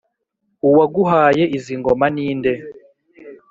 uwaguhaye izi ngoma ninde